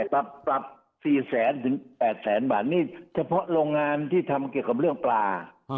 ปรับ๔๐๐๘๐๐บาทนี่เฉพาะโรงงานที่ทำเกี่ยวกับเรื่องปลา